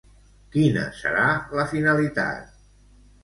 Quina serà la finalitat?